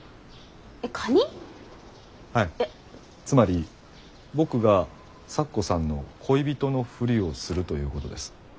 つまり僕が咲子さんの恋人のふりをするということです。